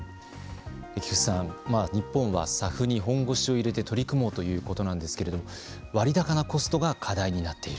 菊池さん、日本はＳＡＦに本腰を入れて取り組もうということなんですけれども割高なコストが課題になっている。